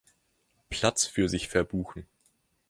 Platz für sich verbuchen.